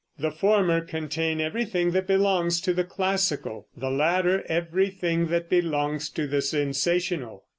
The former contain everything that belongs to the classical, the latter everything that belongs to the sensational.